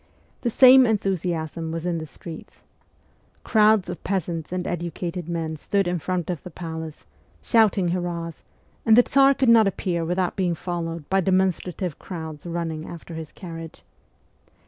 The same enthusiasm was in the streets. Crowds of peasants and educated men stood in front of the palace, shouting hurrahs, and the Tsar could not appeal without being followed by demonstrative crowds run ning after his carriage.